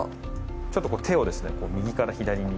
ちょっと手をこう右から左に。